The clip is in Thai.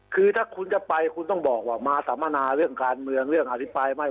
คือถ้าคุณจะไปคุณต้องบอกว่ามาสามณะเรื่องการเมืองรับอธิปายไหม